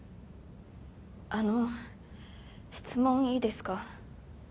あの質問いいですか？